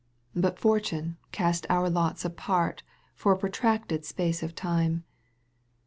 But Fortune cast our lots apart For a protracted space of time.